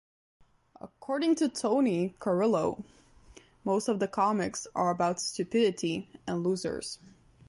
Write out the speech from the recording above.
According to Tony Carrillo, most of the comics are about stupidity and losers.